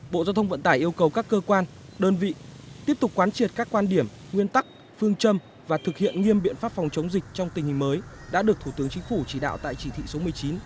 bộ giao thông vận tải yêu cầu các cơ quan đơn vị tiếp tục quán triệt các quan điểm nguyên tắc phương châm và thực hiện nghiêm biện pháp phòng chống dịch trong tình hình mới đã được thủ tướng chính phủ chỉ đạo tại chỉ thị số một mươi chín